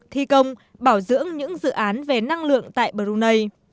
thi công bảo dưỡng những dự án về năng lượng tại brunei